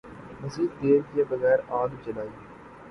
مزید دیر کئے بغیر آگ جلائی